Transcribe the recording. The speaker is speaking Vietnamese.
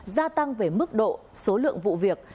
gia tăng về mức độ số lượng vụ việc